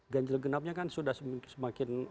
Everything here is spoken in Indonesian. ganjil genapnya kan sudah semakin